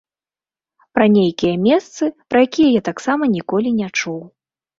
Пра нейкія месцы, пра якія я таксама ніколі не чуў.